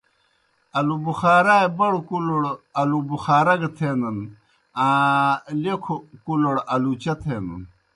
آلُوچائے بڑوْ کُلوڑ آلو بخارا گہ تھینَن، آں لیکھوْ کُلوْڑ آلوچہ تھینَن۔